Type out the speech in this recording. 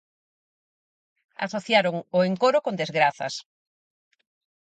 Asociaron o encoro con desgrazas.